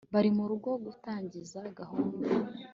bari mu rugo gutangiza gahunda